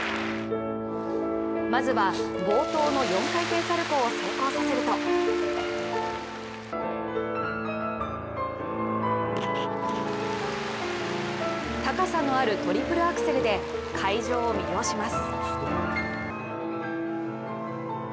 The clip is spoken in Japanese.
まずは冒頭の４回転サルコウを成功させると高さのあるトリプルアクセルで会場を魅了します。